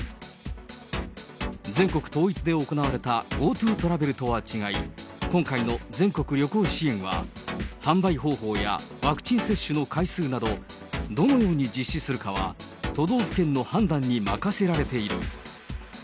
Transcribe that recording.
全国統一で行われたＧｏＴｏトラベルとは違い、今回の全国旅行支援は、販売方法やワクチン接種の回数など、どのように実施するかは、都道府県の判断に任せられている。